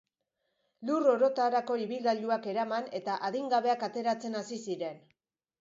Lur orotarako ibilgailuak eraman eta adingabeak ateratzen hasi ziren.